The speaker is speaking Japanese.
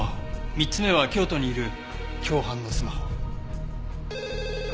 ３つ目は京都にいる共犯のスマホ。